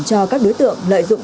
cho các đối tượng lợi dụng